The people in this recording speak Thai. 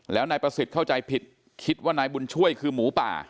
แล้วนายประสิทธิ์เข้าใจผิดคิดว่านายบุญช่วยคือหมูป่า